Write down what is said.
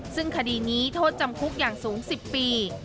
ซึ่งคดีนี้โทษจำคุกอย่างสูง๑๐ปี